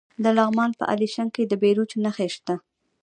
د لغمان په الیشنګ کې د بیروج نښې شته.